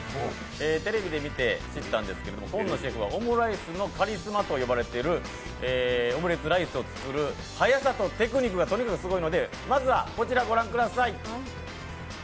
テレビで見て知ったんですけど紺野シェフはオムライスのカリスマと呼ばれていてオムレツライスを作る速さとテクニックがとにかくすごいので、まずはこちらご覧ください。